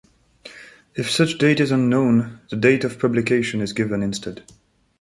If such date is unknown, the date of publication is given instead.